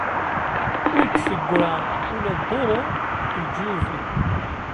Ur d-tegra ula duṛu deg leǧyub-iw.